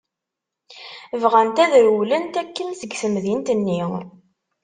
Bɣant ad rewlent akken seg temdint-nni.